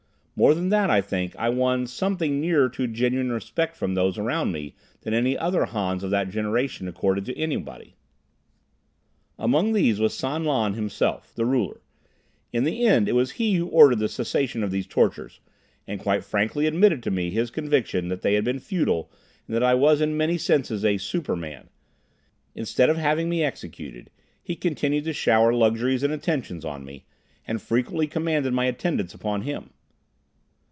More than that, I think I won something nearer to genuine respect from those around me than any other Hans of that generation accorded to anybody. Among these was San Lan himself, the ruler. In the end it was he who ordered the cessation of these tortures, and quite frankly admitted to me his conviction that they had been futile and that I was in many senses a super man. Instead of having me executed, he continued to shower luxuries and attentions on me, and frequently commanded my attendance upon him.